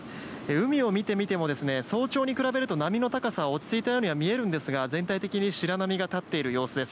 海を見てみても早朝に比べると波の高さは落ち着いたように見えるんですが全体的に白波が立っている様子です。